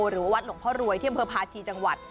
หรือว่าวัดหลวงพ่อรวยที่อำเภอพาชีจังหวัด